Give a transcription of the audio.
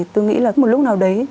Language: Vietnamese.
tôi nghĩ là một lúc nào đấy